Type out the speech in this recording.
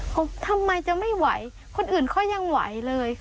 เขาทำไมจะไม่ไหวคนอื่นเขายังไหวเลย